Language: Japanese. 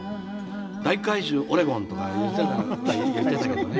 大怪獣オレゴンとか言ってたけどね。